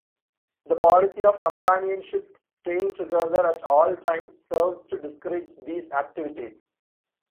The policy of companionships staying together at all times serves to discourage these activities.